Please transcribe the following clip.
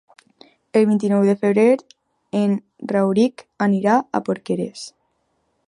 El vint-i-nou de febrer en Rauric anirà a Porqueres.